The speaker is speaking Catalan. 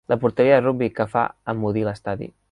La porteria de rugbi que fa emmudir l'estadi.